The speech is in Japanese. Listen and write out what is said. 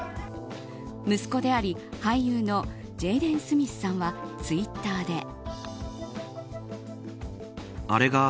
息子であり、俳優のジェイデン・スミスさんはツイッターで。